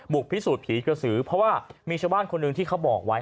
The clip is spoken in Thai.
พิสูจนผีกระสือเพราะว่ามีชาวบ้านคนหนึ่งที่เขาบอกไว้